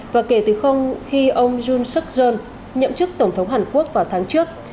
và kể từ khi ông jun seok jeon nhậm chức tổng thống hàn quốc vào tháng trước